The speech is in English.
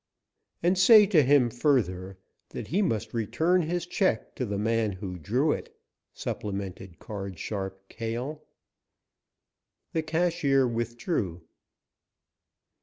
"And say to him, further, that he must return his check to the man who drew it," supplemented Card Sharp Cale. The cashier withdrew.